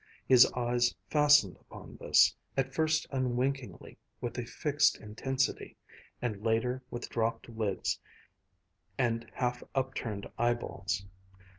His eyes fastened upon this, at first unwinkingly, with a fixed intensity, and later with dropped lids and half upturned eyeballs.